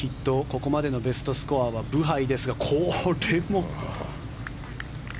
ここまでのベストスコアはブハイですが、これも。